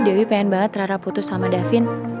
kenapa dewi pengen banget rara putus sama davin